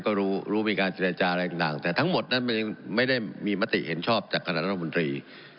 ก็รู้รู้มีการจิลัยจารย์อะไรต่างแต่ทั้งหมดนั้นไม่ได้มีมัตติเห็นชอบจากการรัฐมนตรี